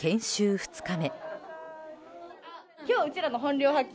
２日目。